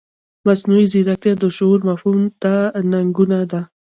مصنوعي ځیرکتیا د شعور مفهوم ته ننګونه ده.